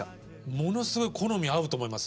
ものすごい好み合うと思います。